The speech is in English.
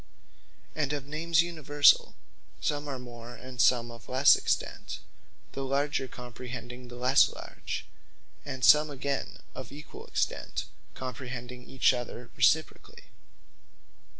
And of Names Universall, some are of more, and some of lesse extent; the larger comprehending the lesse large: and some again of equall extent, comprehending each other reciprocally.